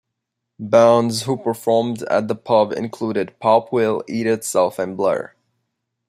Bands who performed at the pub include Pop Will Eat Itself and Blur.